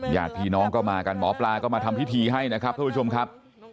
ญาติพี่น้องก็มากันหมอปลาก็มาทำพิธีให้นะครับท่านผู้ชมครับ